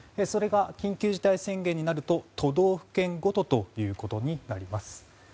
それが緊急事態宣言になると都道府県ごとということになります。